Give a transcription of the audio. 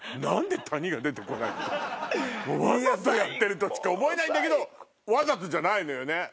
もうわざとやってるとしか思えないんだけどわざとじゃないのよね。